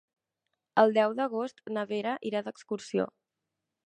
El deu d'agost na Vera irà d'excursió.